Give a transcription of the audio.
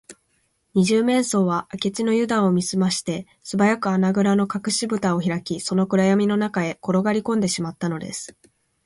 二十面相は明智のゆだんを見すまして、すばやく穴ぐらのかくしぶたをひらき、その暗やみの中へころがりこんでしまったのです